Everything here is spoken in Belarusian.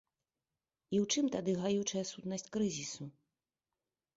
І ў чым тады гаючая сутнасць крызісу?